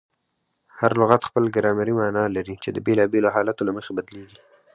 هر لغت خپله ګرامري مانا لري، چي د بېلابېلو حالتو له مخي بدلیږي.